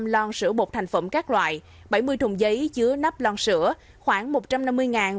bảy năm trăm hai mươi năm lon sữa bột thành phẩm các loại bảy mươi thùng giấy chứa nắp lon sữa khoảng một trăm năm mươi loại sữa bột